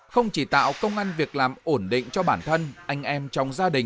không chỉ tạo công an việc làm ổn định cho bản thân anh em trong gia đình